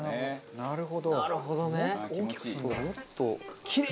なるほどね。